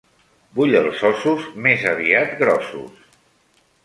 Vull els ossos més aviat grossos.